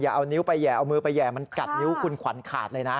เอานิ้วไปแห่เอามือไปแห่มันกัดนิ้วคุณขวัญขาดเลยนะ